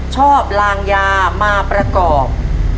ชอบลางยามาประกอบ